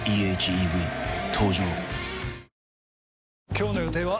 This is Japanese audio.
今日の予定は？